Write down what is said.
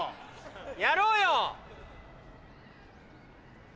やろうよ。